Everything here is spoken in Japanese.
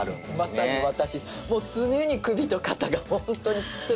まさに私。